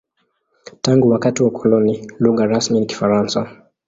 Tangu wakati wa ukoloni, lugha rasmi ni Kifaransa.